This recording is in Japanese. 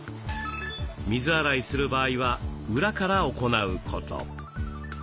水洗いする場合は裏から行うこと。